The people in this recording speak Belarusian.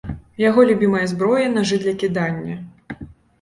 Яго любімая зброя нажы для кідання.